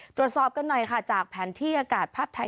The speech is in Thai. ตรวจสอบกันหน่อยค่ะจากแผนที่อากาศภาพไทย